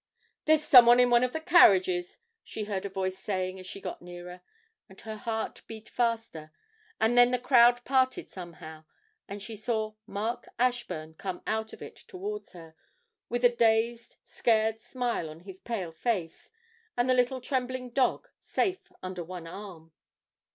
'There's someone in one of the carriages!' she heard a voice saying as she got nearer, and her heart beat faster; and then the crowd parted somehow, and she saw Mark Ashburn come out of it towards her, with a dazed, scared smile on his pale face, and the little trembling dog safe under one arm.